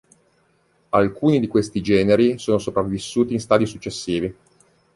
Alcuni di questi generi sono sopravvissuti in stadi successivi.